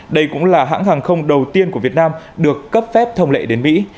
đây cũng là hãng hàng không đầu tiên của việt nam được cấp phép thông lệ đến mỹ